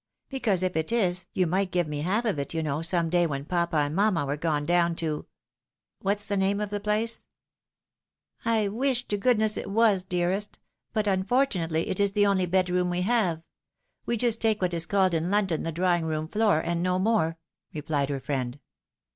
Because if it is, you might give me half of it, you kno *, some day when papa and mamma were gone down to what's the name of the place ?"" I wish to goodness it was, dearest ! But, unfortunately, it is the only bed room we have. We just take what is called in London the drawing room floor, and no more," rephed her friend.